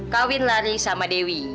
kawin lari sama dewi